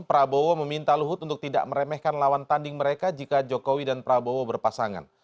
prabowo meminta luhut untuk tidak meremehkan lawan tanding mereka jika jokowi dan prabowo berpasangan